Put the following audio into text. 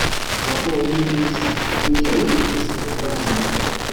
waguwemo n imvura undi uyibuze uruma